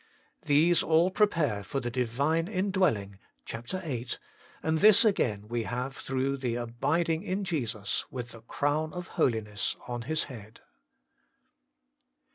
These all prepare for the Divine Indwelling (ch. 8), and this again we have through the Abiding in Jesus with the Crown of Holiness on His head.